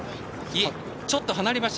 ちょっと離れました。